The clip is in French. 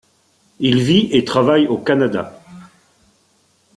Il vit et travaille au Canada.